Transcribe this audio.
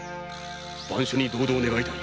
番所に同道願いたい。